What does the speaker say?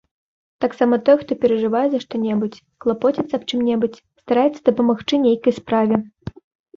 Таксама той, хто перажывае за што-небудзь, клапоціцца аб чым-небудзь, стараецца дапамагчы нейкай справе.